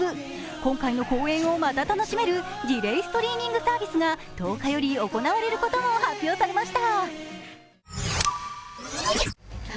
今回の公演をまた楽しめるディレイ・ストリーミングサービスが１０日より行われることも発表されました。